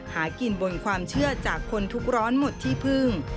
หากินบนความเชื่อจากคนทุกร้อนหมดที่พึ่ง